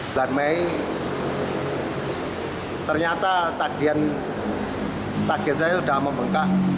bulan mei ternyata tagihan saya sudah membengkak